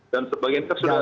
dan sebagainya itu sudah